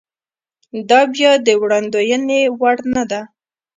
دا بیا د وړاندوېنې وړ نه ده.